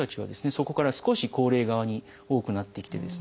そこから少し高齢側に多くなってきてですね